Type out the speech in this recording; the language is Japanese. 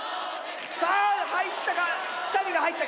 さあ入ったか⁉北見が入った！